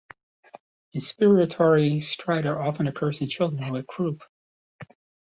Inspiratory stridor often occurs in children with croup.